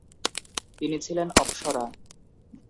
তিনি ছিলেন অপ্সরা।